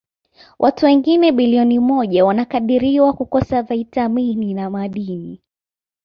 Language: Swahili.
Watu wengine bilioni moja wanakadiriwa kukosa vitamini na madini.